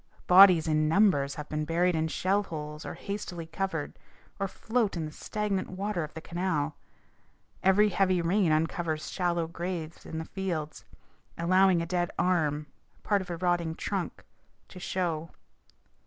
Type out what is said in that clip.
Bodies in numbers have been buried in shell holes and hastily covered, or float in the stagnant water of the canal. Every heavy rain uncovers shallow graves in the fields, allowing a dead arm, part of a rotting trunk, to show.